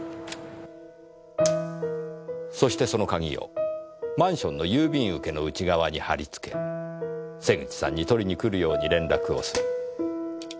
そしてその鍵をマンションの郵便受けの内側に貼り付け瀬口さんに取りに来るように連絡をする。